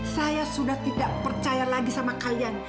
saya sudah tidak percaya lagi sama kalian